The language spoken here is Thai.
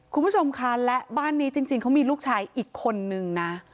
คุณผู้ชมคะและบ้านนี้จริงเขามีลูกชายอีกคนนึงนะ